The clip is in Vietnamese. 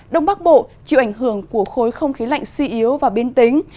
đông bắc bộ chịu ảnh hưởng của khối không khí lạnh suy yếu và biên tính